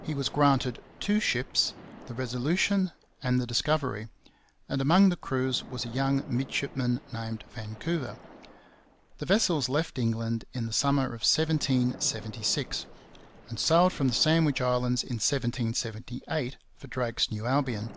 He was granted two ships the Resolution and the Discovery; and among the crews was a young midshipman named Vancouver. The vessels left England in the summer of 1776, and sailed from the Sandwich Islands in 1778 for Drake's New Albion.